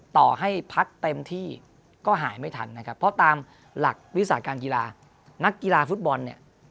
ต่อให้พักเต็มที่ก็หายไม่ทันนะครับเพราะตามหลักวิสาการกีฬานักกีฬาฟุตบอลเนี่ย